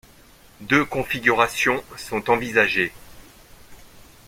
Deux configurations sont envisagées.